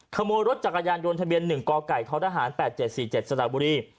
ขโมยรถจักรยานยนต์ทะเบียน๑กไก่ท้อทหาร๘๗๔๗สระบุรี